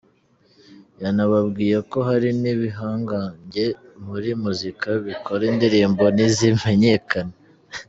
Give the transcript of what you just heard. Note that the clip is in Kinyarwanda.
Yanababwiye ko hari n’ibihangange muri muzika bikora indirimbo ntizimenyekane.